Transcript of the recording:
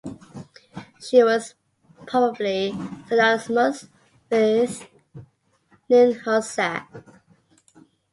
She was probably synonymous with Ninhursag.